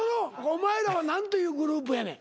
お前らは何というグループやねん。